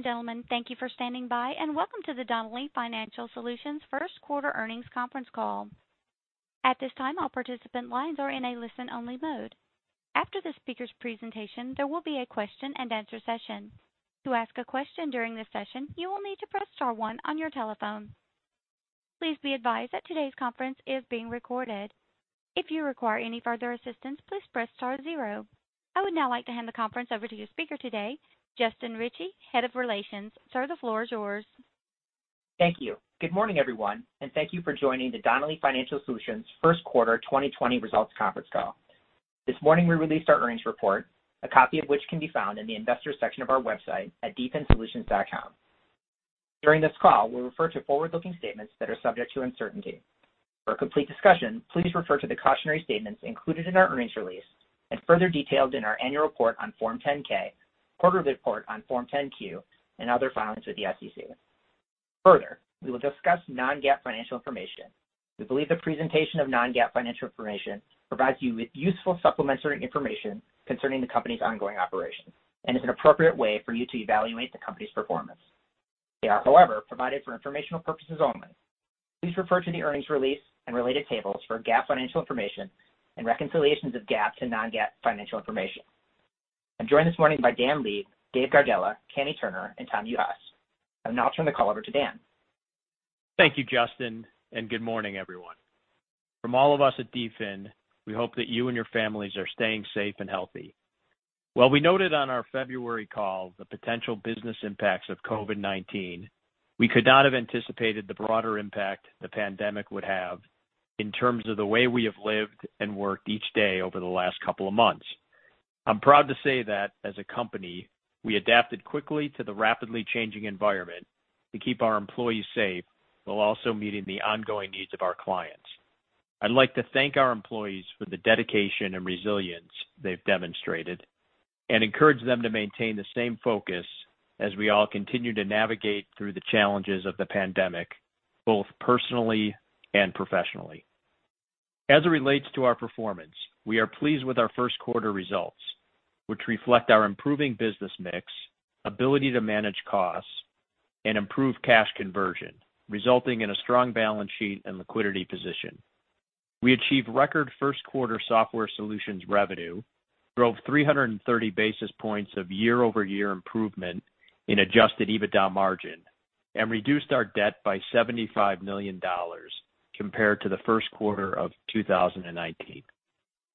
Ladies and gentlemen, thank you for standing by, and welcome to the Donnelley Financial Solutions first quarter earnings conference call. At this time, all participant lines are in a listen-only mode. After the speaker's presentation, there will be a question and answer session. To ask a question during this session, you will need to press star one on your telephone. Please be advised that today's conference is being recorded. If you require any further assistance, please press star zero. I would now like to hand the conference over to your speaker today, Justin Ritchie, Senior Vice President, Investor Relations. Sir, the floor is yours. Thank you. Good morning, everyone, and thank you for joining the Donnelley Financial Solutions first quarter 2020 results conference call. This morning, we released our earnings report, a copy of which can be found in the Investors section of our website at dfinsolutions.com. During this call, we'll refer to forward-looking statements that are subject to uncertainty. For a complete discussion, please refer to the cautionary statements included in our earnings release and further details in our annual report on Form 10-K, quarterly report on Form 10-Q, and other filings with the SEC. Further, we will discuss non-GAAP financial information. We believe the presentation of non-GAAP financial information provides you with useful supplementary information concerning the company's ongoing operations and is an appropriate way for you to evaluate the company's performance. They are, however, provided for informational purposes only. Please refer to the earnings release and related tables for GAAP financial information and reconciliations of GAAP to non-GAAP financial information. I'm joined this morning by Dan Leib, Dave Gardella, Kami Turner, and Tom Juhase. I will now turn the call over to Dan. Thank you, Justin, and good morning, everyone. From all of us at Donnelley Financial Solutions, we hope that you and your families are staying safe and healthy. While we noted on our February call the potential business impacts of COVID-19, we could not have anticipated the broader impact the pandemic would have in terms of the way we have lived and worked each day over the last couple of months. I'm proud to say that as a company, we adapted quickly to the rapidly changing environment to keep our employees safe while also meeting the ongoing needs of our clients. I'd like to thank our employees for the dedication and resilience they've demonstrated and encourage them to maintain the same focus as we all continue to navigate through the challenges of the pandemic, both personally and professionally. As it relates to our performance, we are pleased with our first quarter results, which reflect our improving business mix, ability to manage costs, and improve cash conversion, resulting in a strong balance sheet and liquidity position. We achieved record first quarter software solutions revenue, drove 330 basis points of year-over-year improvement in adjusted EBITDA margin, and reduced our debt by $75 million compared to the first quarter of 2019.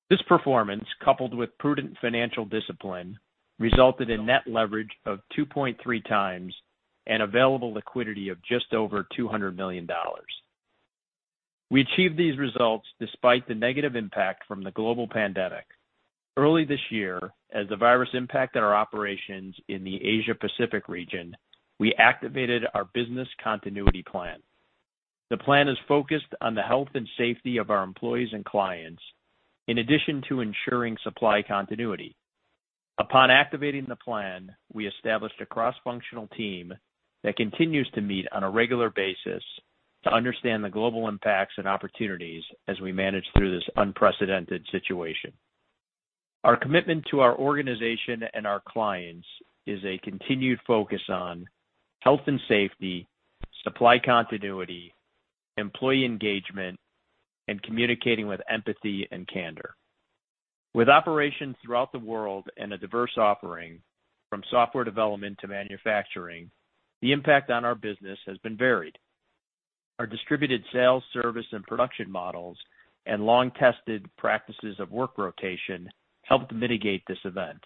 This performance, coupled with prudent financial discipline, resulted in net leverage of 2.3 times and available liquidity of just over $200 million. We achieved these results despite the negative impact from the global pandemic. Early this year, as the virus impacted our operations in the Asia Pacific region, we activated our business continuity plan. The plan is focused on the health and safety of our employees and clients, in addition to ensuring supply continuity. Upon activating the plan, we established a cross-functional team that continues to meet on a regular basis to understand the global impacts and opportunities as we manage through this unprecedented situation. Our commitment to our organization and our clients is a continued focus on health and safety, supply continuity, employee engagement, and communicating with empathy and candor. With operations throughout the world and a diverse offering from software development to manufacturing, the impact on our business has been varied. Our distributed sales, service, and production models and long-tested practices of work rotation helped mitigate this event.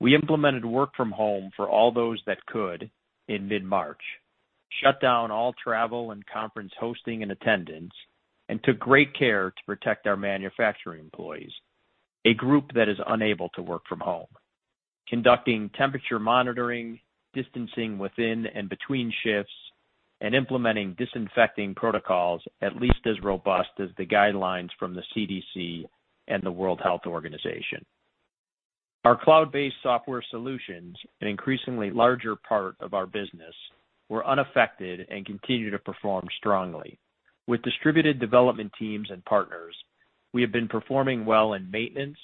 We implemented work from home for all those that could in mid-March, shut down all travel and conference hosting and attendance, and took great care to protect our manufacturing employees, a group that is unable to work from home, conducting temperature monitoring, distancing within and between shifts, and implementing disinfecting protocols at least as robust as the guidelines from the CDC and the World Health Organization. Our cloud-based software solutions, an increasingly larger part of our business, were unaffected and continue to perform strongly. With distributed development teams and partners, we have been performing well in maintenance,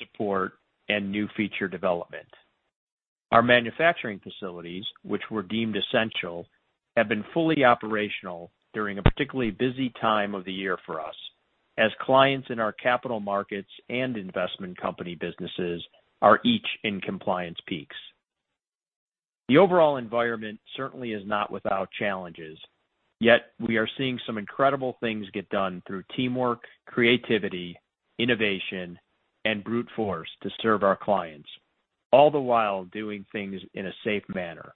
support, and new feature development. Our manufacturing facilities, which were deemed essential, have been fully operational during a particularly busy time of the year for us as clients in our Capital Markets and Investment Companies businesses are each in compliance peaks. The overall environment certainly is not without challenges, yet we are seeing some incredible things get done through teamwork, creativity, innovation, and brute force to serve our clients, all the while doing things in a safe manner.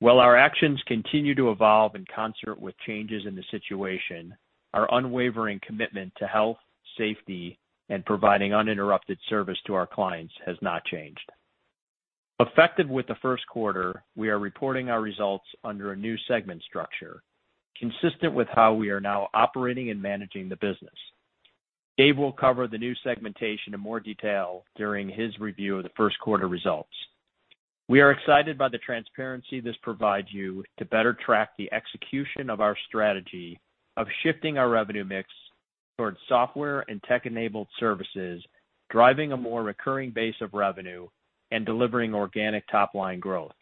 While our actions continue to evolve in concert with changes in the situation, our unwavering commitment to health, safety, and providing uninterrupted service to our clients has not changed. Effective with the first quarter, we are reporting our results under a new segment structure consistent with how we are now operating and managing the business. Dave will cover the new segmentation in more detail during his review of the first quarter results. We are excited by the transparency this provides you to better track the execution of our strategy of shifting our revenue mix towards software and tech-enabled services, driving a more recurring base of revenue and delivering organic top-line growth,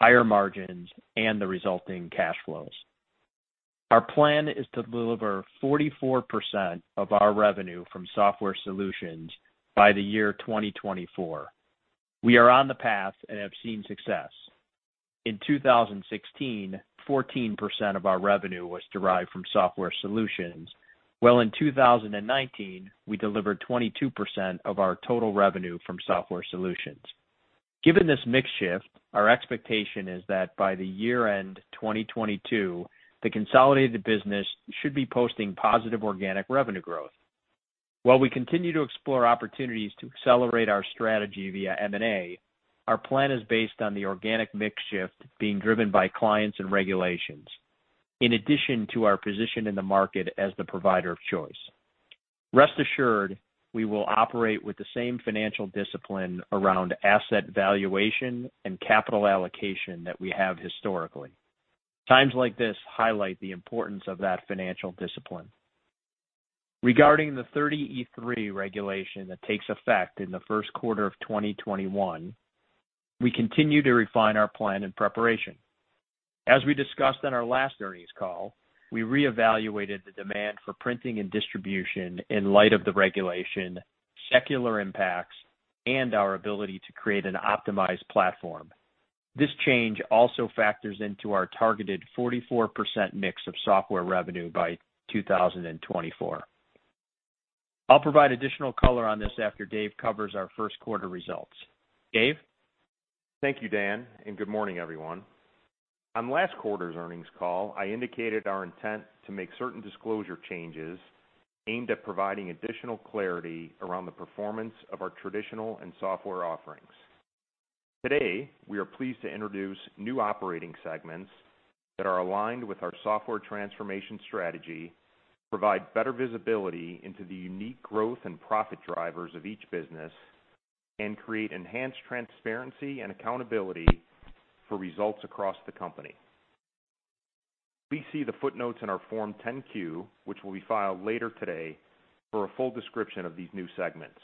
higher margins, and the resulting cash flows. Our plan is to deliver 44% of our revenue from software solutions by the year 2024. We are on the path and have seen success. In 2016, 14% of our revenue was derived from software solutions, while in 2019, we delivered 22% of our total revenue from software solutions. Given this mix shift, our expectation is that by the year-end 2022, the consolidated business should be posting positive organic revenue growth. While we continue to explore opportunities to accelerate our strategy via M&A, our plan is based on the organic mix shift being driven by clients and regulations, in addition to our position in the market as the provider of choice. Rest assured, we will operate with the same financial discipline around asset valuation and capital allocation that we have historically. Times like this highlight the importance of that financial discipline. Regarding the 30e-3 regulation that takes effect in the first quarter of 2021, we continue to refine our plan and preparation. As we discussed on our last earnings call, we reevaluated the demand for printing and distribution in light of the regulation, secular impacts, and our ability to create an optimized platform. This change also factors into our targeted 44% mix of software revenue by 2024. I'll provide additional color on this after Dave covers our first quarter results. Dave? Thank you, Dan, and good morning, everyone. On last quarter's earnings call, I indicated our intent to make certain disclosure changes aimed at providing additional clarity around the performance of our traditional and software offerings. Today, we are pleased to introduce new operating segments that are aligned with our software transformation strategy, provide better visibility into the unique growth and profit drivers of each business, and create enhanced transparency and accountability for results across the company. Please see the footnotes in our Form 10-Q, which will be filed later today, for a full description of these new segments.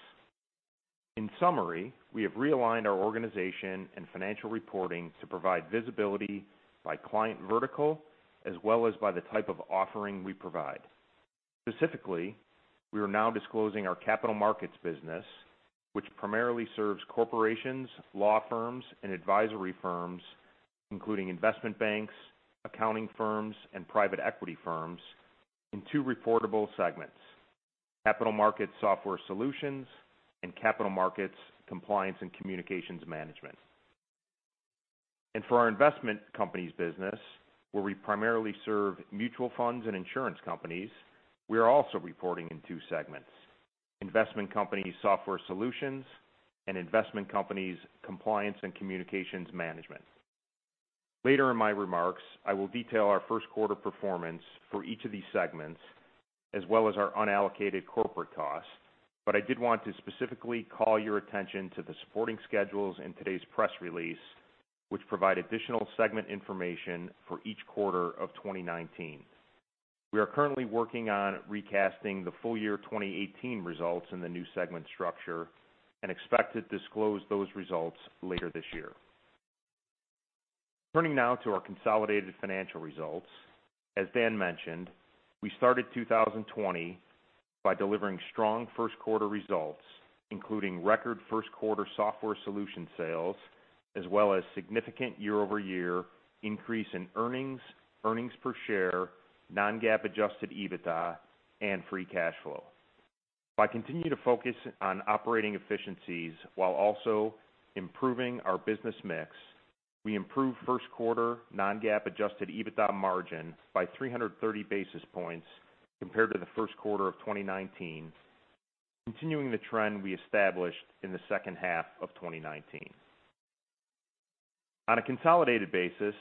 In summary, we have realigned our organization and financial reporting to provide visibility by client vertical as well as by the type of offering we provide. Specifically, we are now disclosing our Capital Markets business, which primarily serves corporations, law firms, and advisory firms, including investment banks, accounting firms, and private equity firms in two reportable segments: Capital Markets Software Solutions and Capital Markets Compliance and Communications Management. For our Investment Companies business, where we primarily serve mutual funds and insurance companies, we are also reporting in two segments: Investment Companies Software Solutions and Investment Companies Compliance and Communications Management. Later in my remarks, I will detail our first quarter performance for each of these segments, as well as our unallocated corporate costs. I did want to specifically call your attention to the supporting schedules in today's press release, which provide additional segment information for each quarter of 2019. We are currently working on recasting the full year 2018 results in the new segment structure and expect to disclose those results later this year. Turning now to our consolidated financial results. As Dan mentioned, we started 2020 by delivering strong first quarter results, including record first quarter software solution sales, as well as significant year-over-year increase in earnings per share, non-GAAP adjusted EBITDA, and free cash flow. By continuing to focus on operating efficiencies while also improving our business mix, we improved first quarter non-GAAP adjusted EBITDA margin by 330 basis points compared to the first quarter of 2019, continuing the trend we established in the second half of 2019. On a consolidated basis,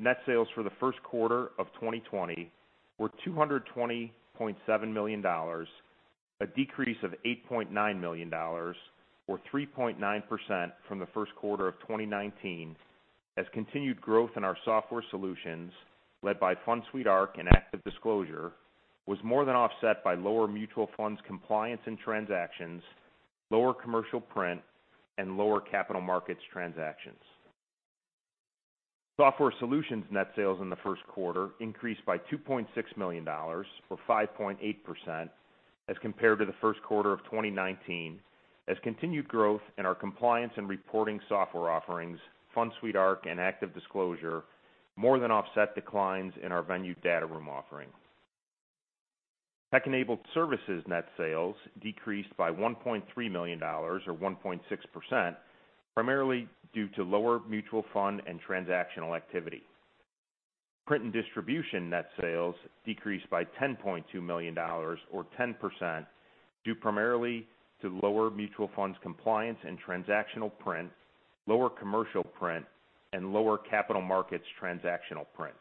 net sales for the first quarter of 2020 were $220.7 million, a decrease of $8.9 million or 3.9% from the first quarter of 2019 as continued growth in our software solutions, led by FundSuite Arc and ActiveDisclosure, was more than offset by lower mutual funds compliance and transactions, lower commercial print, and lower capital markets transactions. Software solutions net sales in the first quarter increased by $2.6 million or 5.8% as compared to the first quarter of 2019 as continued growth in our compliance and reporting software offerings, FundSuite Arc and ActiveDisclosure, more than offset declines in our Venue Data Room offering. Tech-enabled services net sales decreased by $1.3 million or 1.6%, primarily due to lower mutual fund and transactional activity. Print and distribution net sales decreased by $10.2 million or 10%, due primarily to lower mutual funds compliance and transactional print, lower commercial print, and lower capital markets transactional print.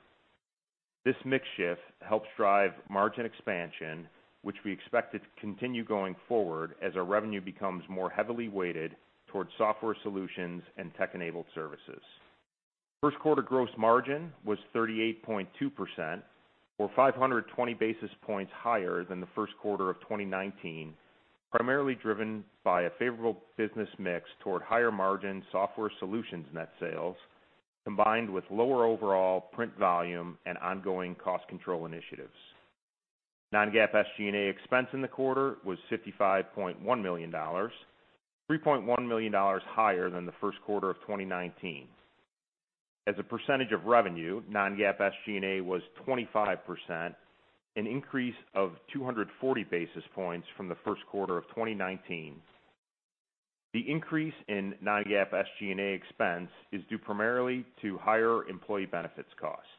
This mix shift helps drive margin expansion, which we expect to continue going forward as our revenue becomes more heavily weighted towards software solutions and tech-enabled services. First quarter gross margin was 38.2%, or 520 basis points higher than the first quarter of 2019, primarily driven by a favorable business mix toward higher margin software solutions net sales, combined with lower overall print volume and ongoing cost control initiatives. Non-GAAP SG&A expense in the quarter was $55.1 million, $3.1 million higher than the first quarter of 2019. As a percentage of revenue, non-GAAP SG&A was 25%, an increase of 240 basis points from the first quarter of 2019. The increase in non-GAAP SG&A expense is due primarily to higher employee benefits costs.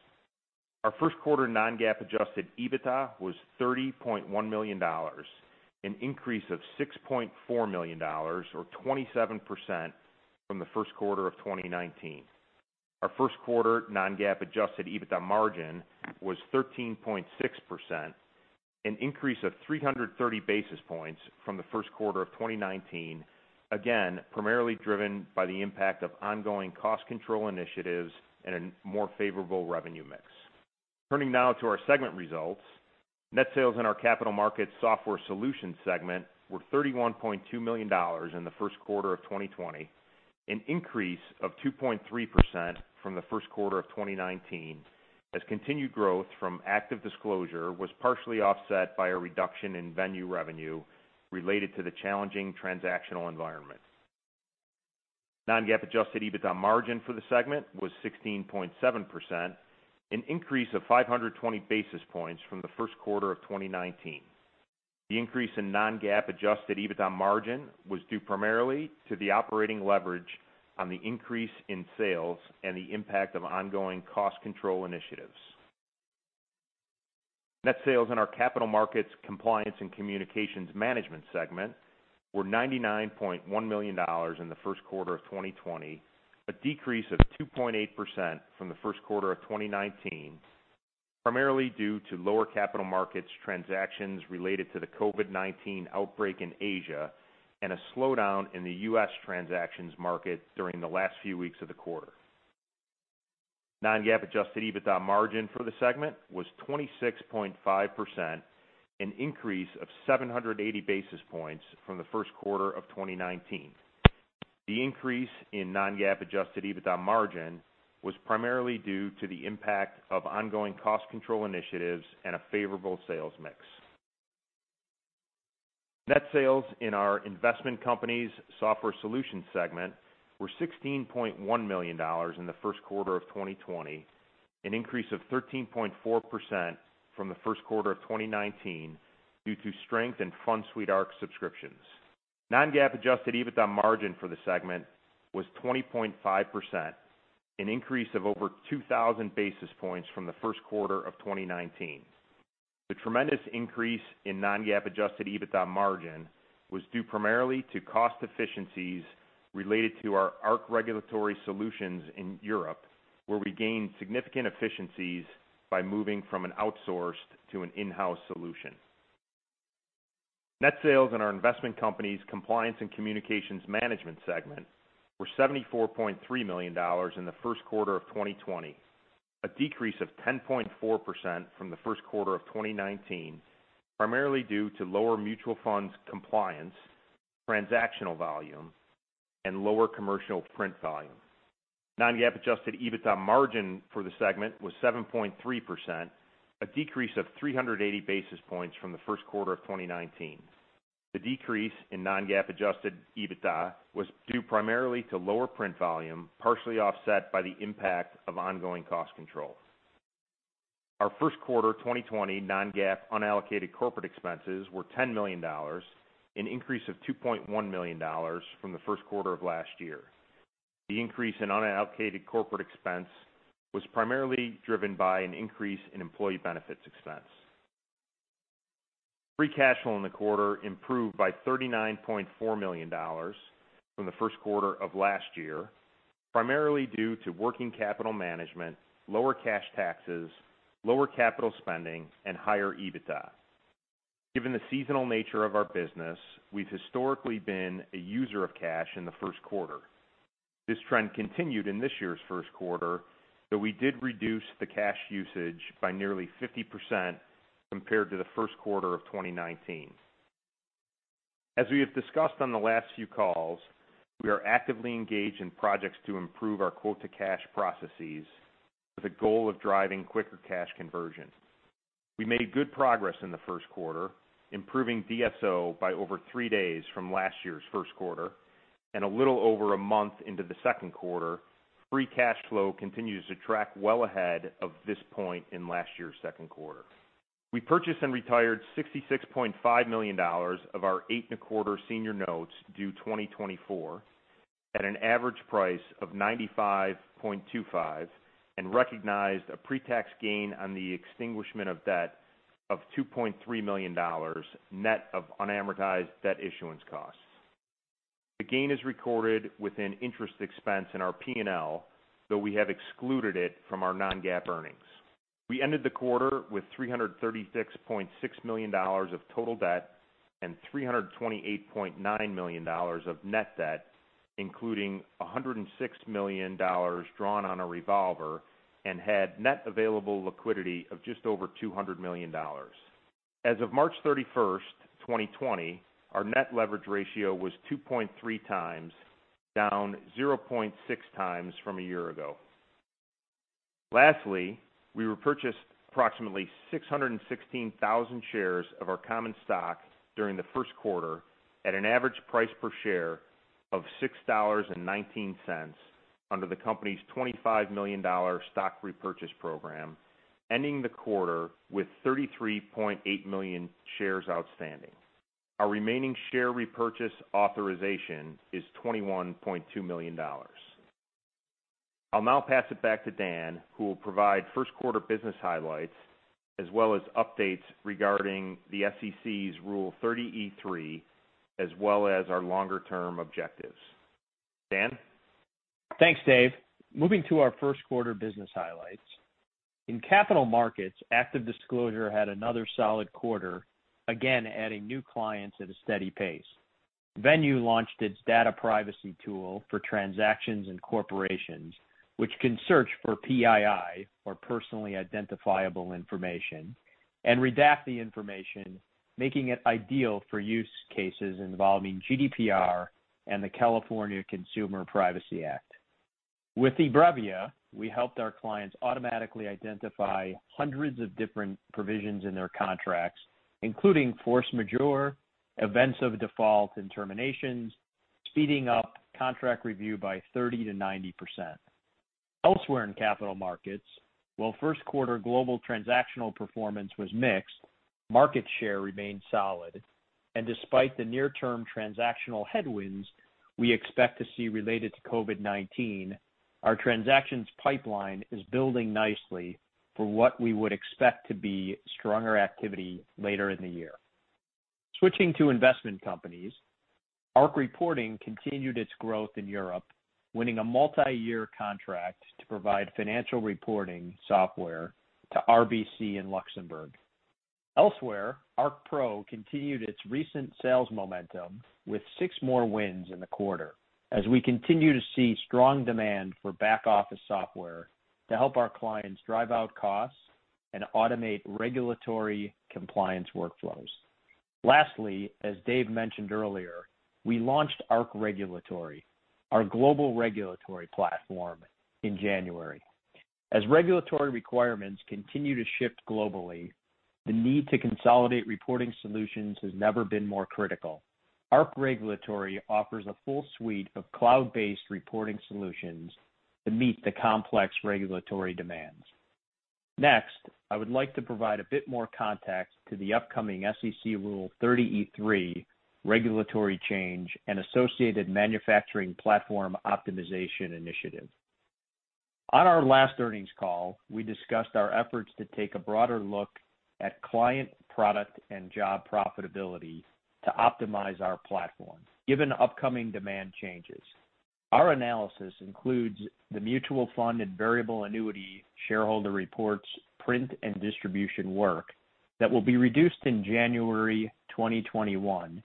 Our first quarter non-GAAP adjusted EBITDA was $30.1 million, an increase of $6.4 million or 27% from the first quarter of 2019. Our first quarter non-GAAP adjusted EBITDA margin was 13.6%, an increase of 330 basis points from the first quarter of 2019, again, primarily driven by the impact of ongoing cost control initiatives and a more favorable revenue mix. Turning now to our segment results. Net sales in our Capital Markets Software Solutions segment were $31.2 million in the first quarter of 2020, an increase of 2.3% from the first quarter of 2019, as continued growth from ActiveDisclosure was partially offset by a reduction in Venue revenue related to the challenging transactional environment. Non-GAAP adjusted EBITDA margin for the segment was 16.7%, an increase of 520 basis points from the first quarter of 2019. The increase in non-GAAP adjusted EBITDA margin was due primarily to the operating leverage on the increase in sales and the impact of ongoing cost control initiatives. Net sales in our Capital Markets Compliance and Communications Management segment were $99.1 million in the first quarter of 2020, a decrease of 2.8% from the first quarter of 2019, primarily due to lower capital markets transactions related to the COVID-19 outbreak in Asia and a slowdown in the US transactions market during the last few weeks of the quarter. Non-GAAP adjusted EBITDA margin for the segment was 26.5%, an increase of 780 basis points from the first quarter of 2019. The increase in non-GAAP adjusted EBITDA margin was primarily due to the impact of ongoing cost control initiatives and a favorable sales mix. Net sales in our Investment Companies Software Solutions segment were $16.1 million in the first quarter of 2020, an increase of 13.4% from the first quarter of 2019 due to strength in FundSuite Arc subscriptions. Non-GAAP adjusted EBITDA margin for the segment was 20.5%, an increase of over 2,000 basis points from the first quarter of 2019. The tremendous increase in non-GAAP adjusted EBITDA margin was due primarily to cost efficiencies related to our ArcRegulatory solutions in Europe, where we gained significant efficiencies by moving from an outsourced to an in-house solution. Net sales in our Investment Companies - Compliance and Communications Management segment were $74.3 million in the first quarter of 2020, a decrease of 10.4% from the first quarter of 2019, primarily due to lower mutual funds compliance, transactional volume, and lower commercial print volume. Non-GAAP adjusted EBITDA margin for the segment was 7.3%, a decrease of 380 basis points from the first quarter of 2019. The decrease in non-GAAP adjusted EBITDA was due primarily to lower print volume, partially offset by the impact of ongoing cost control. Our first quarter 2020 non-GAAP unallocated corporate expenses were $10 million, an increase of $2.1 million from the first quarter of last year. The increase in unallocated corporate expense was primarily driven by an increase in employee benefits expense. Free cash flow in the quarter improved by $39.4 million from the first quarter of last year, primarily due to working capital management, lower cash taxes, lower capital spending, and higher EBITDA. Given the seasonal nature of our business, we've historically been a user of cash in the first quarter. This trend continued in this year's first quarter, though we did reduce the cash usage by nearly 50% compared to the first quarter of 2019. As we have discussed on the last few calls, we are actively engaged in projects to improve our quote-to-cash processes with a goal of driving quicker cash conversion. We made good progress in the first quarter, improving DSO by over three days from last year's first quarter. A little over a month into the second quarter, free cash flow continues to track well ahead of this point in last year's second quarter. We purchased and retired $66.5 million of our eight-and-a-quarter senior notes due 2024 at an average price of 95.25 and recognized a pre-tax gain on the extinguishment of debt of $2.3 million, net of unamortized debt issuance costs. The gain is recorded within interest expense in our P&L, though we have excluded it from our non-GAAP earnings. We ended the quarter with $336.6 million of total debt and $328.9 million of net debt, including $106 million drawn on a revolver and had net available liquidity of just over $200 million. As of March 31st, 2020, our net leverage ratio was 2.3 times, down 0.6 times from a year ago. Lastly, we repurchased approximately 616,000 shares of our common stock during the first quarter at an average price per share of $6.19 under the company's $25 million stock repurchase program, ending the quarter with 33.8 million shares outstanding. Our remaining share repurchase authorization is $21.2 million. I'll now pass it back to Dan, who will provide first quarter business highlights as well as updates regarding the SEC's Rule 30e-3, as well as our longer-term objectives. Dan? Thanks, Dave. Moving to our first quarter business highlights. In Capital Markets, ActiveDisclosure had another solid quarter, again adding new clients at a steady pace. Venue launched its data privacy tool for transactions and corporations, which can search for PII, or Personally Identifiable Information, and redact the information, making it ideal for use cases involving GDPR and the California Consumer Privacy Act. With eBrevia, we helped our clients automatically identify hundreds of different provisions in their contracts, including force majeure, events of default and terminations, speeding up contract review by 30%-90%. Elsewhere in Capital Markets, while first quarter global transactional performance was mixed, market share remained solid. Despite the near-term transactional headwinds we expect to see related to COVID-19, our transactions pipeline is building nicely for what we would expect to be stronger activity later in the year. Switching to investment companies, ArcReporting continued its growth in Europe, winning a multi-year contract to provide financial reporting software to RBC in Luxembourg. Elsewhere, ArcPro continued its recent sales momentum with six more wins in the quarter as we continue to see strong demand for back office software to help our clients drive out costs and automate regulatory compliance workflows. Lastly, as Dave mentioned earlier, we launched ArcRegulatory, our global regulatory platform, in January. As regulatory requirements continue to shift globally, the need to consolidate reporting solutions has never been more critical. ArcRegulatory offers a full suite of cloud-based reporting solutions to meet the complex regulatory demands. Next, I would like to provide a bit more context to the upcoming SEC Rule 30e-3 regulatory change and associated manufacturing platform optimization initiative. On our last earnings call, we discussed our efforts to take a broader look at client product and job profitability to optimize our platform given upcoming demand changes. Our analysis includes the mutual fund and variable annuity shareholder reports, print and distribution work that will be reduced in January 2021,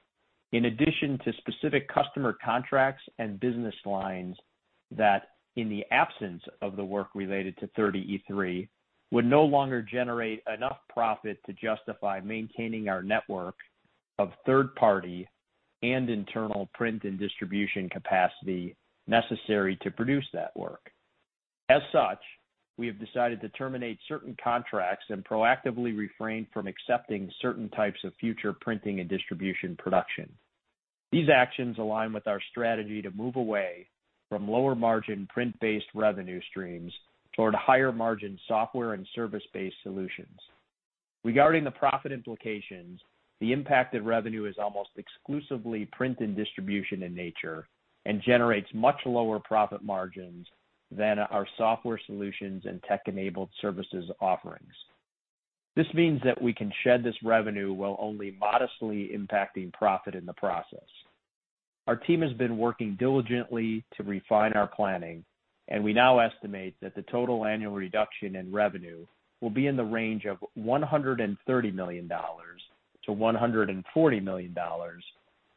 in addition to specific customer contracts and business lines that, in the absence of the work related to 30e-3, would no longer generate enough profit to justify maintaining our network of third-party and internal print and distribution capacity necessary to produce that work. As such, we have decided to terminate certain contracts and proactively refrain from accepting certain types of future printing and distribution production. These actions align with our strategy to move away from lower margin print-based revenue streams toward higher margin software and service-based solutions. Regarding the profit implications, the impacted revenue is almost exclusively print and distribution in nature and generates much lower profit margins than our software solutions and tech-enabled services offerings. This means that we can shed this revenue while only modestly impacting profit in the process. Our team has been working diligently to refine our planning, and we now estimate that the total annual reduction in revenue will be in the range of $130 million-$140 million,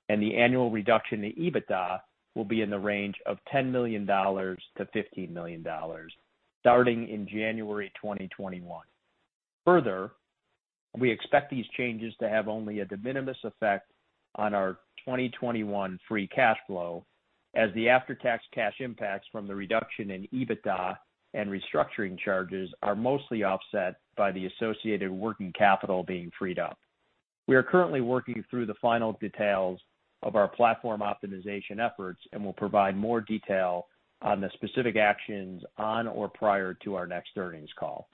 and the annual reduction to EBITDA will be in the range of $10 million-$15 million, starting in January 2021. Further, we expect these changes to have only a de minimis effect on our 2021 free cash flow as the after-tax cash impacts from the reduction in EBITDA and restructuring charges are mostly offset by the associated working capital being freed up. We are currently working through the final details of our platform optimization efforts and will provide more detail on the specific actions on or prior to our next earnings call.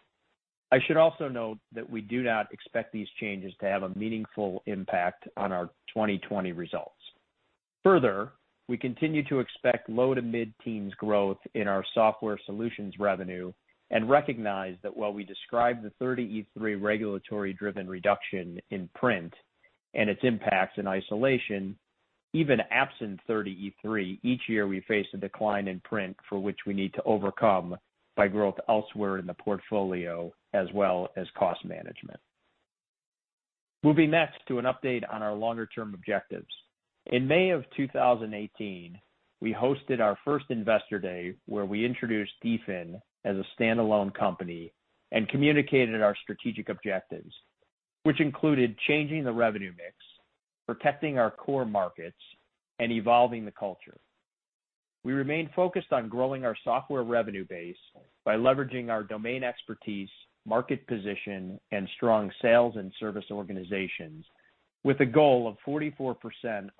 I should also note that we do not expect these changes to have a meaningful impact on our 2020 results. Further, we continue to expect low-to-mid teens growth in our software solutions revenue and recognize that while we describe the 30e-3 regulatory-driven reduction in print and its impacts in isolation, even absent 30e-3, each year we face a decline in print for which we need to overcome by growth elsewhere in the portfolio, as well as cost management. Moving next to an update on our longer-term objectives. In May of 2018, we hosted our first Investor Day, where we introduced Donnelley Financial Solutions as a standalone company and communicated our strategic objectives, which included changing the revenue mix, protecting our core markets, and evolving the culture. We remain focused on growing our software revenue base by leveraging our domain expertise, market position, and strong sales and service organizations with a goal of 44%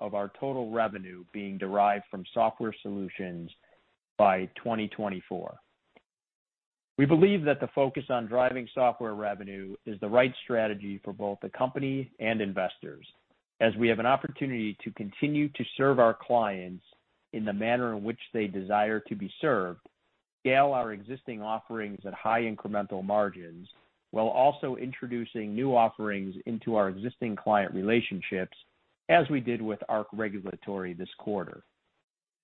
of our total revenue being derived from software solutions by 2024. We believe that the focus on driving software revenue is the right strategy for both the company and investors, as we have an opportunity to continue to serve our clients in the manner in which they desire to be served, scale our existing offerings at high incremental margins, while also introducing new offerings into our existing client relationships, as we did with ArcRegulatory this quarter.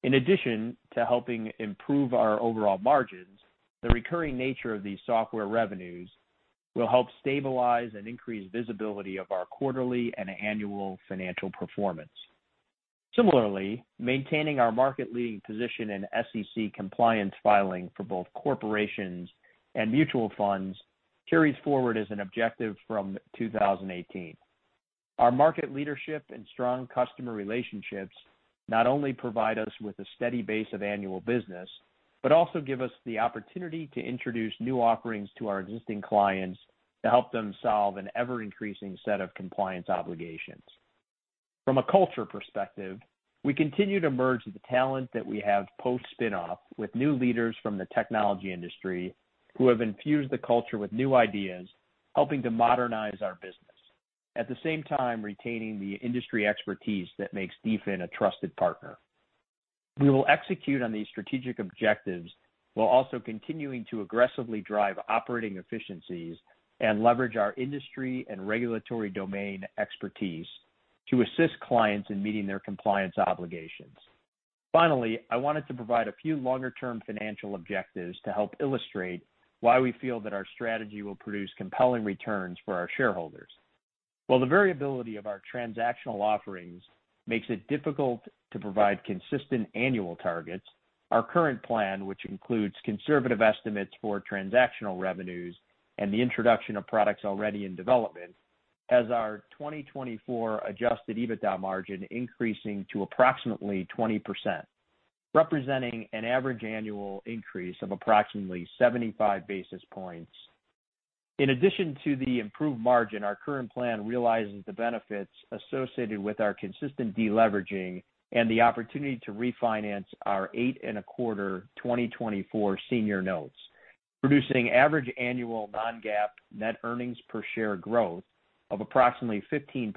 In addition to helping improve our overall margins, the recurring nature of these software revenues will help stabilize and increase visibility of our quarterly and annual financial performance. Similarly, maintaining our market-leading position in SEC compliance filing for both corporations and mutual funds carries forward as an objective from 2018. Our market leadership and strong customer relationships not only provide us with a steady base of annual business but also give us the opportunity to introduce new offerings to our existing clients to help them solve an ever-increasing set of compliance obligations. From a culture perspective, we continue to merge the talent that we have post-spin-off with new leaders from the technology industry who have infused the culture with new ideas, helping to modernize our business, at the same time retaining the industry expertise that makes Donnelley Financial Solutions a trusted partner. We will execute on these strategic objectives while also continuing to aggressively drive operating efficiencies and leverage our industry and regulatory domain expertise to assist clients in meeting their compliance obligations. Finally, I wanted to provide a few longer-term financial objectives to help illustrate why we feel that our strategy will produce compelling returns for our shareholders. While the variability of our transactional offerings makes it difficult to provide consistent annual targets, our current plan, which includes conservative estimates for transactional revenues and the introduction of products already in development, has our 2024 adjusted EBITDA margin increasing to approximately 20%, representing an average annual increase of approximately 75 basis points. In addition to the improved margin, our current plan realizes the benefits associated with our consistent deleveraging and the opportunity to refinance our eight and a quarter 2024 senior notes, producing average annual non-GAAP net earnings per share growth of approximately 15%,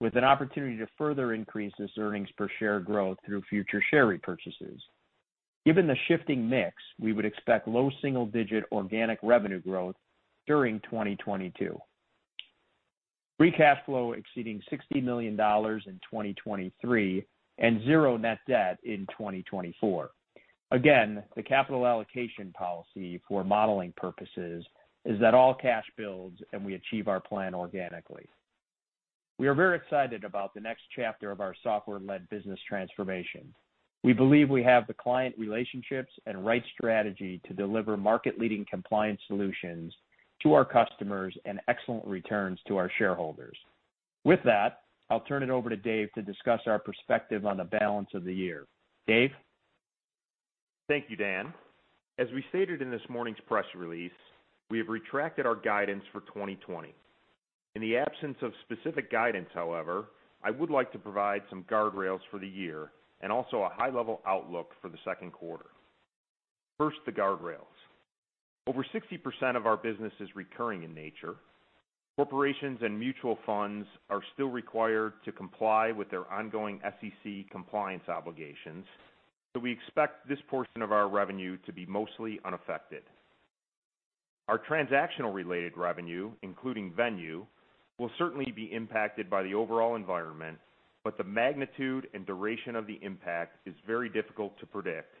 with an opportunity to further increase this earnings per share growth through future share repurchases. Given the shifting mix, we would expect low single-digit organic revenue growth during 2022. Free cash flow exceeding $60 million in 2023 and zero net debt in 2024. The capital allocation policy for modeling purposes is that all cash builds and we achieve our plan organically. We are very excited about the next chapter of our software-led business transformation. We believe we have the client relationships and right strategy to deliver market-leading compliance solutions to our customers and excellent returns to our shareholders. With that, I'll turn it over to Dave to discuss our perspective on the balance of the year. Dave? Thank you, Dan. As we stated in this morning's press release, we have retracted our guidance for 2020. In the absence of specific guidance, however, I would like to provide some guardrails for the year and also a high-level outlook for the second quarter. First, the guardrails. Over 60% of our business is recurring in nature. Corporations and mutual funds are still required to comply with their ongoing SEC compliance obligations, so we expect this portion of our revenue to be mostly unaffected. Our transactional-related revenue, including Venue, will certainly be impacted by the overall environment, but the magnitude and duration of the impact is very difficult to predict,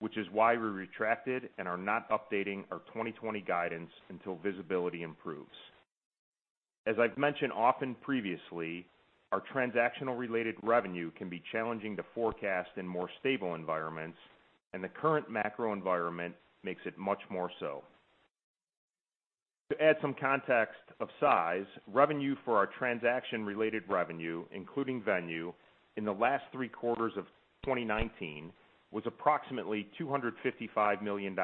which is why we retracted and are not updating our 2020 guidance until visibility improves. As I've mentioned often previously, our transactional-related revenue can be challenging to forecast in more stable environments. The current macro environment makes it much more so. To add some context of size, revenue for our transaction-related revenue, including Venue, in the last three quarters of 2019 was approximately $255 million,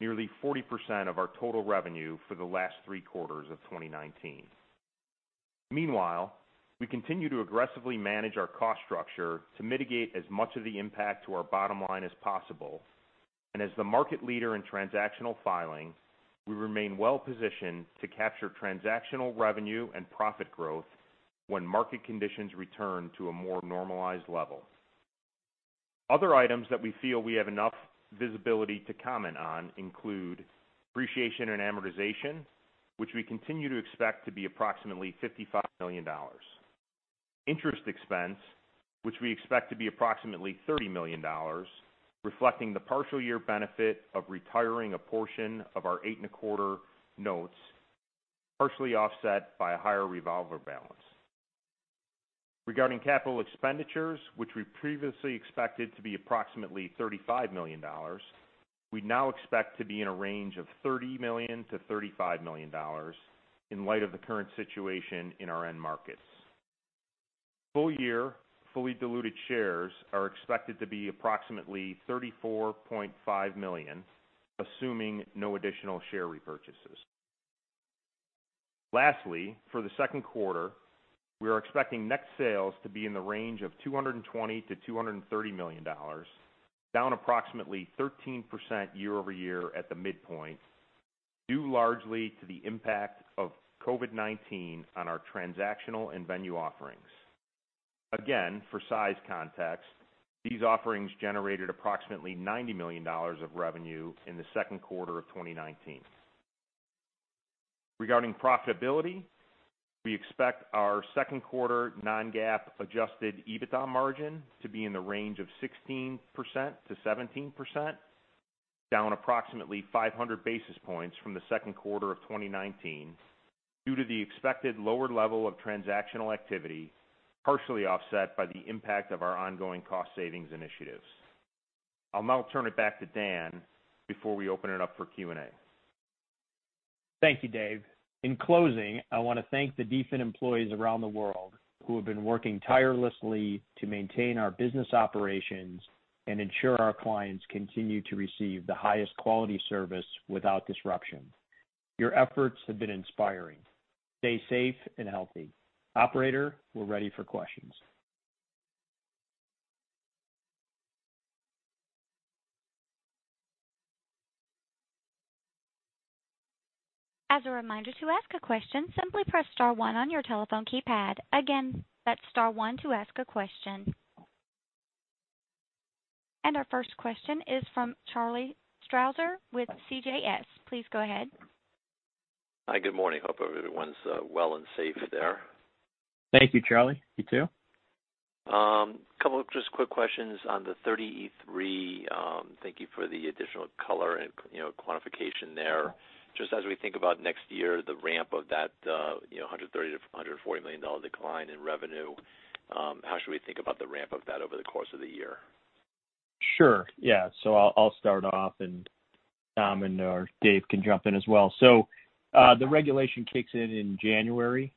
nearly 40% of our total revenue for the last three quarters of 2019. Meanwhile, we continue to aggressively manage our cost structure to mitigate as much of the impact to our bottom line as possible. As the market leader in transactional filing, we remain well positioned to capture transactional revenue and profit growth when market conditions return to a more normalized level. Other items that we feel we have enough visibility to comment on include depreciation and amortization, which we continue to expect to be approximately $55 million. Interest expense, which we expect to be approximately $30 million, reflecting the partial year benefit of retiring a portion of our eight and a quarter notes, partially offset by a higher revolver balance. Regarding capital expenditures, which we previously expected to be approximately $35 million, we now expect to be in a range of $30 million-$35 million in light of the current situation in our end markets. Full year, fully diluted shares are expected to be approximately 34.5 million, assuming no additional share repurchases. Lastly, for the second quarter, we are expecting net sales to be in the range of $220 million-$230 million, down approximately 13% year-over-year at the midpoint, due largely to the impact of COVID-19 on our transactional and Venue offerings. Again, for size context, these offerings generated approximately $90 million of revenue in the second quarter of 2019. Regarding profitability, we expect our second quarter non-GAAP adjusted EBITDA margin to be in the range of 16%-17%, down approximately 500 basis points from the second quarter of 2019 due to the expected lower level of transactional activity, partially offset by the impact of our ongoing cost savings initiatives. I'll now turn it back to Dan before we open it up for Q&A. Thank you, Dave. In closing, I want to thank the Donnelley Financial Solutions employees around the world who have been working tirelessly to maintain our business operations and ensure our clients continue to receive the highest quality service without disruption. Your efforts have been inspiring. Stay safe and healthy. Operator, we're ready for questions. As a reminder, to ask a question, simply press star one on your telephone keypad. Again, that's star one to ask a question. Our first question is from Charlie Strauzer with CJS. Please go ahead. Hi. Good morning. Hope everyone's well and safe there. Thank you, Charlie. You too. Couple of just quick questions on the 30e-3. Thank you for the additional color and quantification there. Just as we think about next year, the ramp of that $130 million-$140 million decline in revenue, how should we think about the ramp of that over the course of the year? Sure. Yeah. I'll start off and Tom and/or Dave can jump in as well. The regulation kicks in in January,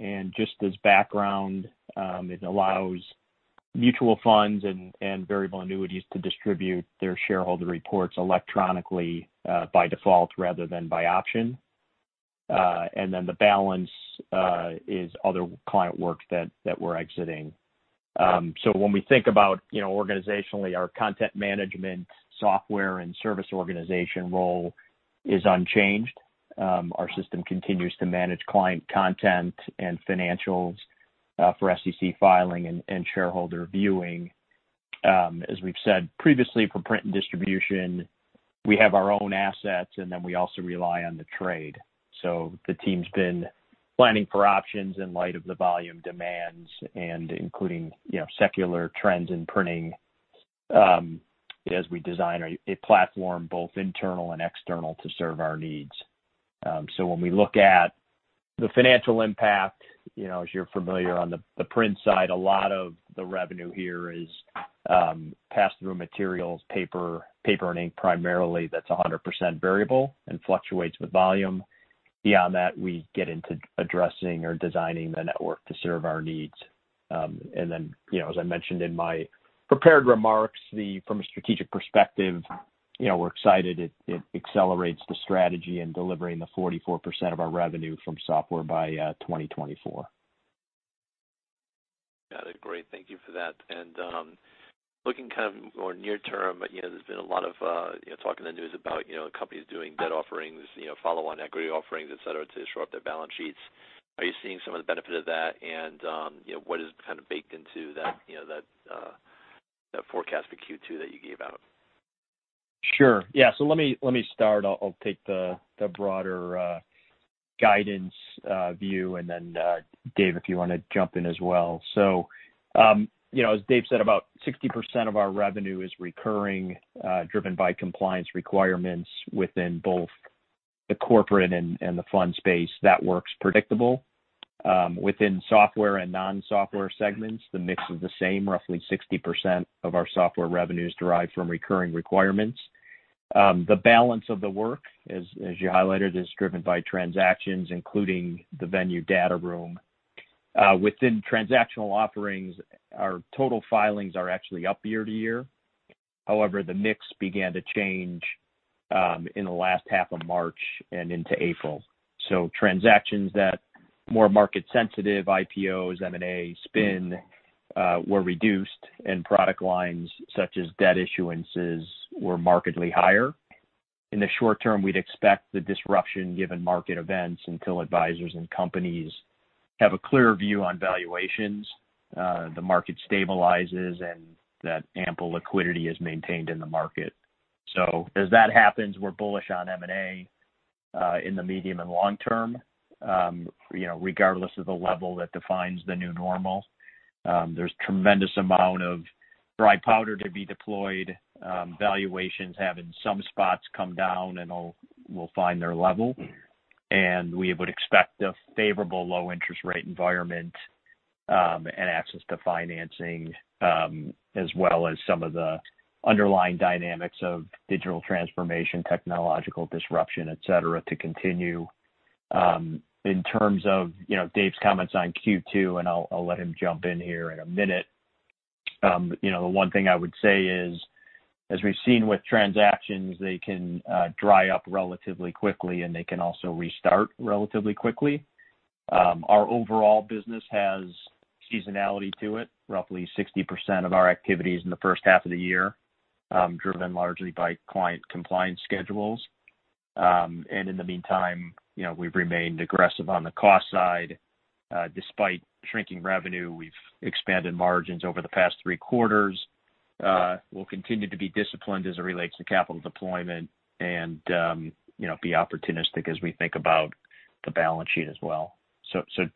and just as background, it allows mutual funds and variable annuities to distribute their shareholder reports electronically by default rather than by option. The balance is other client work that we're exiting. When we think about organizationally, our content management software and service organization role is unchanged. Our system continues to manage client content and financials for SEC filing and shareholder viewing. As we've said previously, for print and distribution, we have our own assets, and then we also rely on the trade. The team's been planning for options in light of the volume demands and including secular trends in printing as we design a platform, both internal and external to serve our needs. When we look at the financial impact, as you're familiar on the print side, a lot of the revenue here is pass through materials, paper and ink, primarily that's 100% variable and fluctuates with volume. Beyond that, we get into addressing or designing the network to serve our needs. As I mentioned in my prepared remarks, from a strategic perspective, we're excited it accelerates the strategy in delivering the 44% of our revenue from software by 2024. Got it. Great. Thank you for that. Looking kind of more near term, there's been a lot of talk in the news about companies doing debt offerings, follow-on equity offerings, et cetera, to shore up their balance sheets. Are you seeing some of the benefit of that? What is kind of baked into that forecast for Q2 that you gave out? Sure. Yeah. Let me start. I'll take the broader guidance view, and then Dave, if you want to jump in as well. As Dave said, about 60% of our revenue is recurring, driven by compliance requirements within both the corporate and the fund space. That work's predictable. Within software and non-software segments, the mix is the same. Roughly 60% of our software revenue is derived from recurring requirements. The balance of the work, as you highlighted, is driven by transactions, including the Venue Data Room. Within transactional offerings, our total filings are actually up year-to-year. However, the mix began to change in the last half of March and into April. Transactions that more market sensitive IPOs, M&A, spin were reduced, and product lines such as debt issuances were markedly higher. In the short term, we'd expect the disruption given market events until advisors and companies have a clearer view on valuations, the market stabilizes, and that ample liquidity is maintained in the market. As that happens, we're bullish on M&A, in the medium and long term, regardless of the level that defines the new normal. There's tremendous amount of dry powder to be deployed, valuations have in some spots come down and will find their level. We would expect a favorable low interest rate environment, and access to financing, as well as some of the underlying dynamics of digital transformation, technological disruption, et cetera, to continue. In terms of Dave's comments on Q2, and I'll let him jump in here in a minute. The one thing I would say is, as we've seen with transactions, they can dry up relatively quickly, and they can also restart relatively quickly. Our overall business has seasonality to it. Roughly 60% of our activity is in the first half of the year, driven largely by client compliance schedules. In the meantime, we've remained aggressive on the cost side. Despite shrinking revenue, we've expanded margins over the past three quarters. We'll continue to be disciplined as it relates to capital deployment and be opportunistic as we think about the balance sheet as well.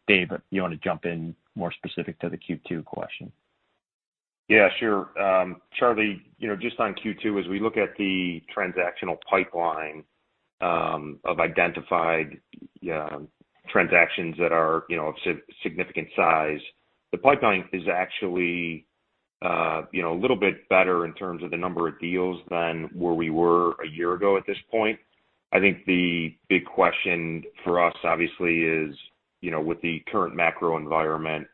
Dave, you want to jump in more specific to the Q2 question? Yeah, sure. Charlie, just on Q2, as we look at the transactional pipeline of identified transactions that are of significant size, the pipeline is actually a little bit better in terms of the number of deals than where we were a year ago at this point. I think the big question for us obviously is, with the current macro environment,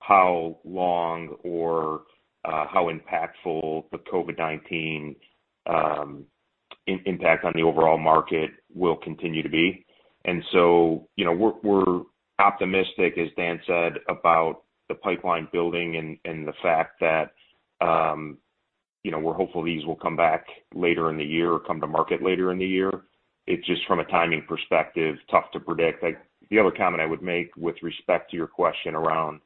how long or how impactful the COVID-19 impact on the overall market will continue to be. We're optimistic, as Dan said, about the pipeline building and the fact that we're hopeful these will come back later in the year or come to market later in the year. It's just from a timing perspective, tough to predict. The other comment I would make with respect to your question around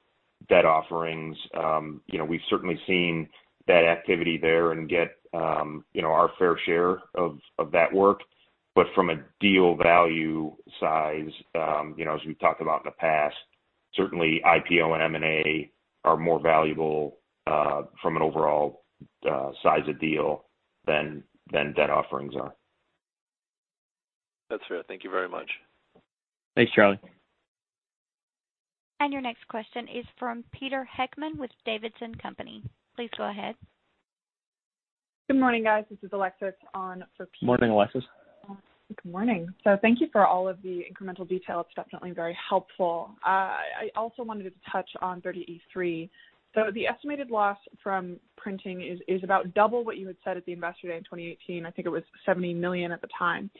debt offerings. We've certainly seen that activity there and get our fair share of that work. From a deal value size, as we've talked about in the past, certainly IPO and M&A are more valuable, from an overall size of deal than debt offerings are. That's fair. Thank you very much. Thanks, Charlie. Your next question is from Peter Heckmann with D.A. Davidson. Please go ahead. Good morning, guys. This is Alexis on for Peter. Morning, Alexis. Good morning. Thank you for all of the incremental detail. It's definitely very helpful. I also wanted to touch on 30e-3. The estimated loss from printing is about double what you had said at the Investor Day in 2018. I think it was $70 million at the time.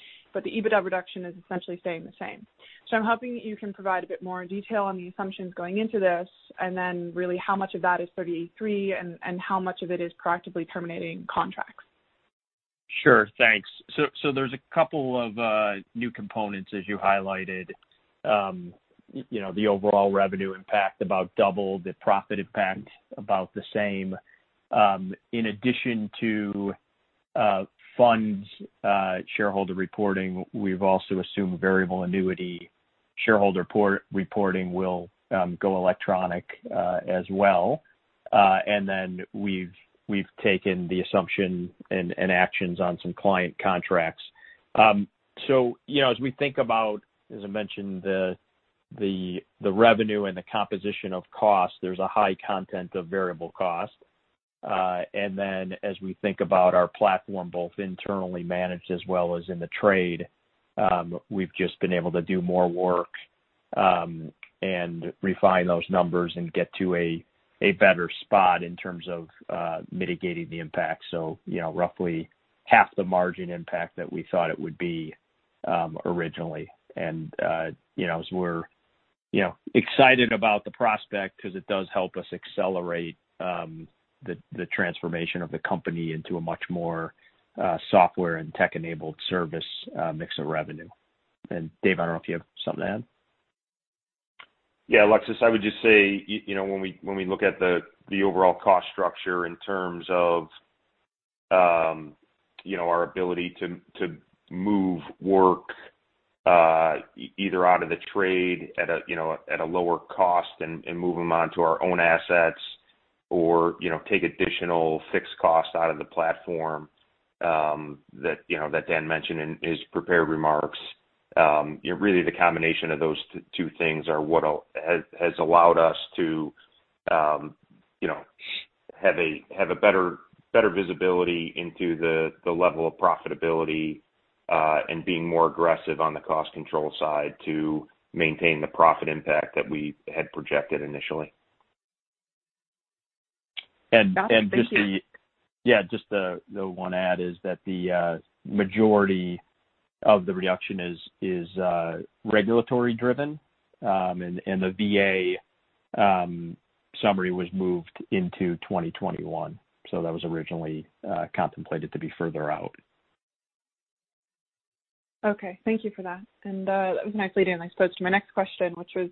The EBITDA reduction is essentially staying the same. I'm hoping that you can provide a bit more detail on the assumptions going into this, and then really how much of that is 30e-3 and how much of it is proactively terminating contracts. Sure. Thanks. There's a couple of new components as you highlighted. The overall revenue impact about 2x, the profit impact about the same. In addition to fund shareholder reporting, we've also assumed variable annuity shareholder reporting will go electronic as well. Then we've taken the assumption and actions on some client contracts. As we think about, as I mentioned, the revenue and the composition of cost, there's a high content of variable cost. Then as we think about our platform, both internally managed as well as in the trade, we've just been able to do more work, and refine those numbers and get to a better spot in terms of mitigating the impact. Roughly half the margin impact that we thought it would be originally. As we're excited about the prospect because it does help us accelerate the transformation of the company into a much more software and tech-enabled service mix of revenue. Dave, I don't know if you have something to add. Yeah, Alexis, I would just say, when we look at the overall cost structure in terms of our ability to move work, either out of the trade at a lower cost and move them onto our own assets or take additional fixed costs out of the platform, that Dan mentioned in his prepared remarks. Really the combination of those two things are what has allowed us to have a better visibility into the level of profitability, and being more aggressive on the cost control side to maintain the profit impact that we had projected initially. And just the- Got it. Thank you Just the one add is that the majority of the reduction is regulatory driven, and the VA summary was moved into 2021, so that was originally contemplated to be further out. Okay. Thank you for that. That was nicely done. I suppose to my next question, which was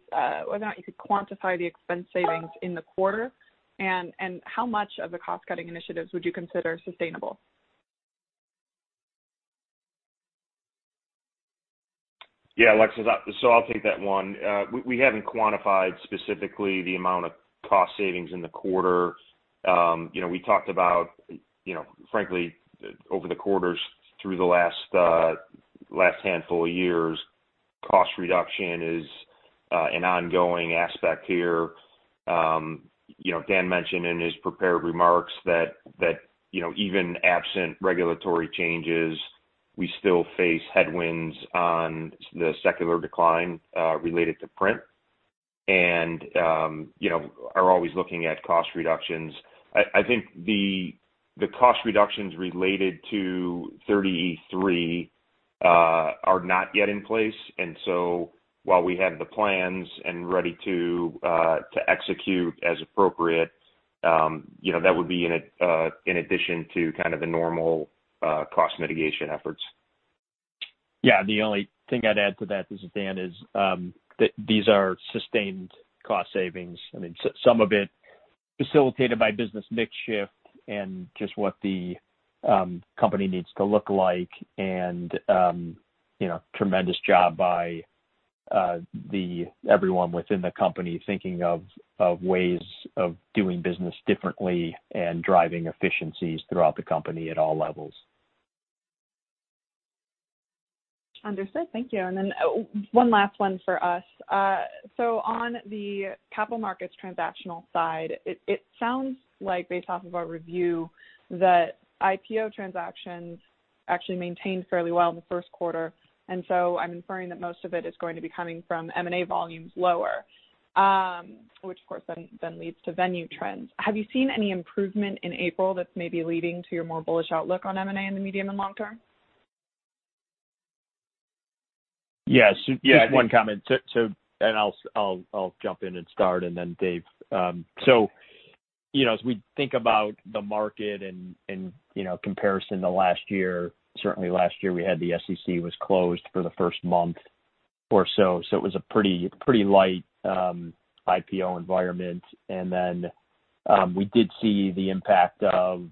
whether or not you could quantify the expense savings in the quarter, and how much of the cost-cutting initiatives would you consider sustainable? Yeah, Alexis, I'll take that one. We haven't quantified specifically the amount of cost savings in the quarter. We talked about, frankly, over the quarters through the last handful of years, cost reduction is an ongoing aspect here. Dan mentioned in his prepared remarks that even absent regulatory changes, we still face headwinds on the secular decline related to print and are always looking at cost reductions. I think the cost reductions related to 30e-3 are not yet in place, while we have the plans and ready to execute as appropriate, that would be in addition to kind of the normal cost mitigation efforts. Yeah. The only thing I'd add to that, this is Dan, is that these are sustained cost savings. Some of it facilitated by business mix shift and just what the company needs to look like and tremendous job by everyone within the company thinking of ways of doing business differently and driving efficiencies throughout the company at all levels. Understood. Thank you. Then one last one for us. On the Capital Markets transactional side, it sounds like based off of our review, that IPO transactions actually maintained fairly well in the first quarter, I'm inferring that most of it is going to be coming from M&A volumes lower, which of course then leads to Venue trends. Have you seen any improvement in April that's maybe leading to your more bullish outlook on M&A in the medium and long term? Yes. One comment. I'll jump in and start, then Dave. As we think about the market in comparison to last year, certainly last year we had the SEC was closed for the first month or so. It was a pretty light IPO environment. Then we did see the impact of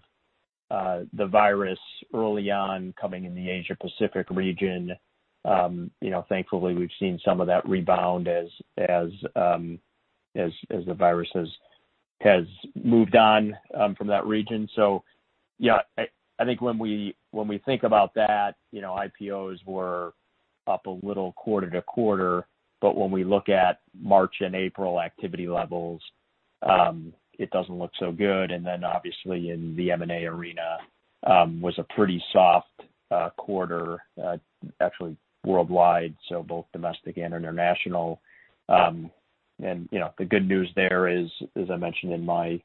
the virus early on coming in the Asia-Pacific region. Thankfully, we've seen some of that rebound as the virus has moved on from that region. Yeah, I think when we think about that, IPOs were up a little quarter-to-quarter, but when we look at March and April activity levels, it doesn't look so good, obviously in the M&A arena, was a pretty soft quarter, actually worldwide, both domestic and international. The good news there is, as I mentioned in my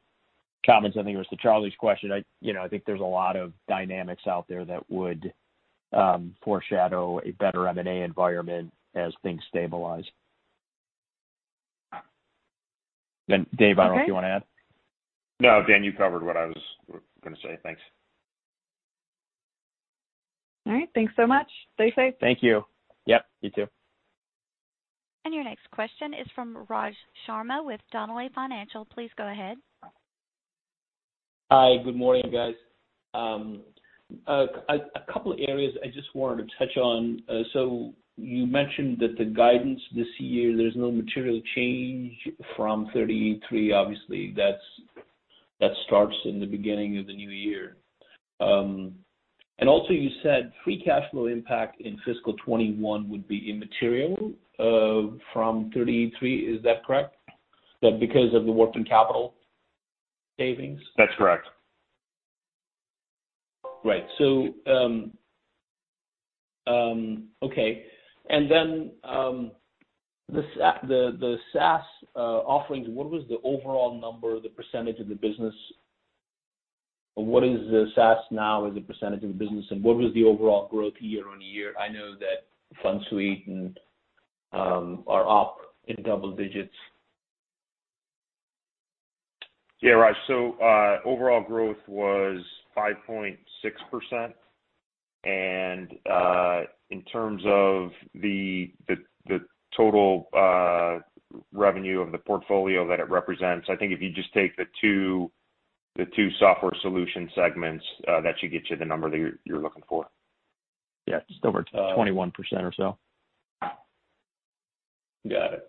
comments, I think it was to Charlie's question, I think there's a lot of dynamics out there that would foreshadow a better M&A environment as things stabilize. Dave, I don't know if you want to add. No, Dan, you covered what I was going to say. Thanks. All right. Thanks so much. Stay safe. Thank you. Yep, you too. Your next question is from Raj Sharma with B. Riley Securities. Please go ahead. Hi. Good morning, guys. A couple of areas I just wanted to touch on. You mentioned that the guidance this year, there's no material change from 30e-3. Obviously, that starts in the beginning of the new year. You said free cash flow impact in fiscal 2021 would be immaterial from 30e-3. Is that correct? That because of the working capital savings? That's correct. Right. Okay. The SaaS offerings, what was the overall number or the percentage of the business? What is the SaaS now as a percentage of the business, and what was the overall growth year-on-year? I know that FundSuite are up in double digits. Yeah, Raj. Overall growth was 5.6%. In terms of the total revenue of the portfolio that it represents, I think if you just take the two software solution segments, that should get you the number that you're looking for. Yeah, it's over 21% or so. Got it.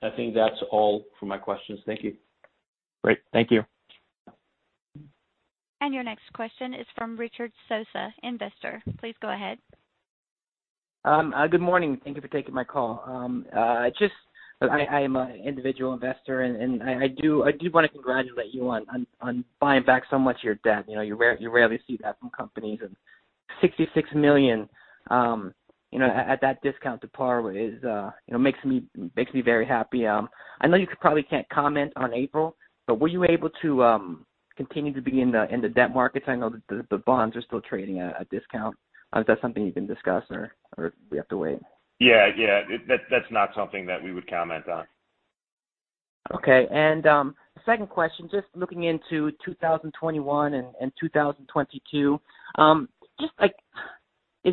I think that's all for my questions. Thank you. Great. Thank you. Your next question is from Richard Sosa, investor. Please go ahead. Good morning. Thank you for taking my call. I am an individual investor. I do want to congratulate you on buying back so much of your debt. You rarely see that from companies. $66 million at that discount to par makes me very happy. I know you probably can't comment on April. Were you able to continue to be in the debt markets? I know that the bonds are still trading at a discount. Is that something you can discuss or we have to wait? Yeah. That's not something that we would comment on. Okay. Second question, just looking into 2021 and 2022.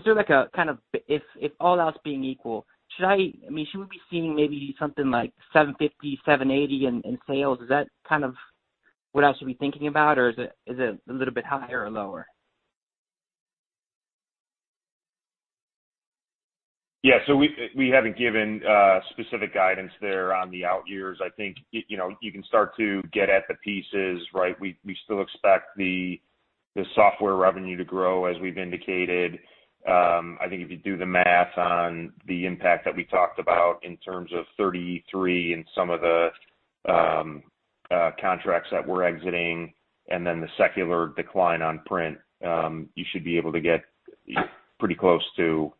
If all else being equal, should we be seeing maybe something like $750, $780 in sales? Is that what I should be thinking about, or is it a little bit higher or lower? Yeah. We haven't given specific guidance there on the out years. I think you can start to get at the pieces, right? We still expect the software revenue to grow, as we've indicated. I think if you do the math on the impact that we talked about in terms of 33e-3 in some of the contracts that we're exiting, and then the secular decline on print, you should be able to get pretty close to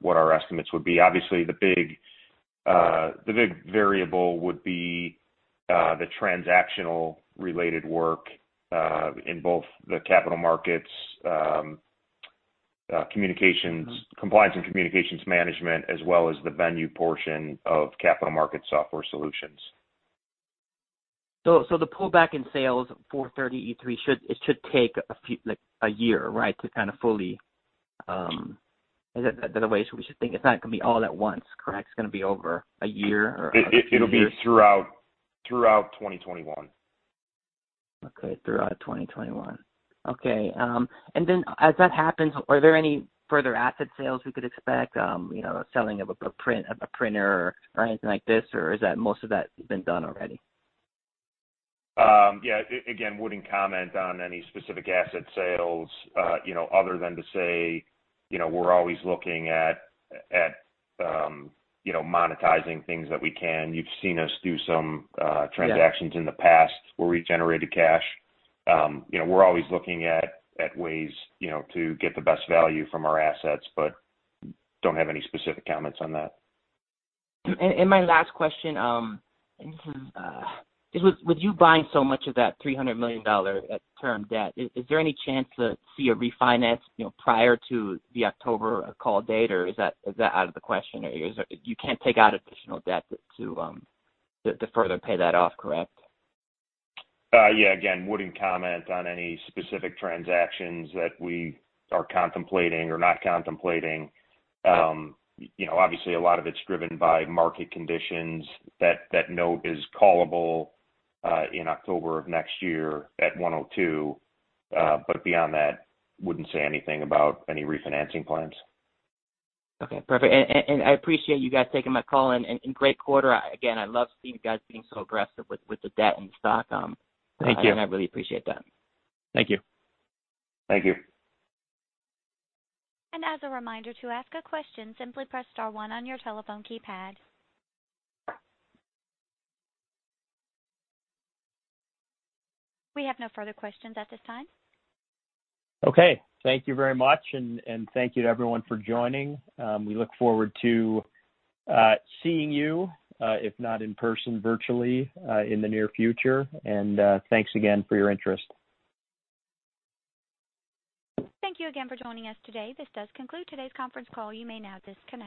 what our estimates would be. Obviously, the big variable would be the transactional-related work, in both the Capital Markets - Compliance and Communications Management, as well as the Venue portion of Capital Markets - Software Solutions. The pullback in sales for 33e-3 should take a year, right? Is that the way we should think? It's not going to be all at once, correct? It's going to be over a year or a few years. It'll be throughout 2021. Okay. Throughout 2021. As that happens, are there any further asset sales we could expect? Selling of a printer or anything like this, or has most of that been done already? Again, wouldn't comment on any specific asset sales, other than to say we're always looking at monetizing things that we can. You've seen us do some transactions. Yeah in the past where we generated cash. We're always looking at ways to get the best value from our assets. Don't have any specific comments on that. My last question. With you buying so much of that $300 million term debt, is there any chance to see a refinance prior to the October call date, or is that out of the question? You can't take out additional debt to further pay that off, correct? Again, wouldn't comment on any specific transactions that we are contemplating or not contemplating. Yeah. Obviously, a lot of it's driven by market conditions. That note is callable in October of next year at 102. Beyond that, wouldn't say anything about any refinancing plans. Okay, perfect. I appreciate you guys taking my call and great quarter. Again, I love seeing you guys being so aggressive with the debt and stock. Thank you. I really appreciate that. Thank you. Thank you. As a reminder, to ask a question, simply press star one on your telephone keypad. We have no further questions at this time. Okay. Thank you very much, and thank you to everyone for joining. We look forward to seeing you, if not in person, virtually, in the near future. Thanks again for your interest. Thank you again for joining us today. This does conclude today's conference call. You may now disconnect.